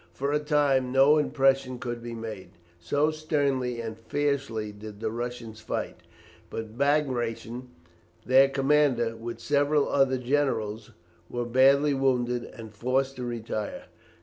For a time no impression could be made, so sternly and fiercely did the Russians fight, but Bagration, their commander, with several other generals, were badly wounded and forced to retire.